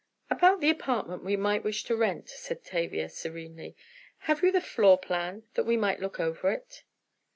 "About the apartment we might wish to rent," said Tavia, serenely, "have you the floor plan, that we might look over it?"